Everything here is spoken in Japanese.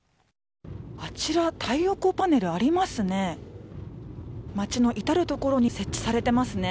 あちら太陽光パネルありますね。